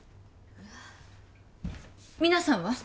皆さんは？